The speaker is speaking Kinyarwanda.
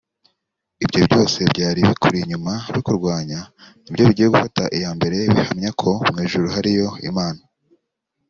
Ibyo byose byari bikuri inyuma bikurwanya ni byo bigiye gufata iya mbere bihamya ko mu ijuru hariyo Imana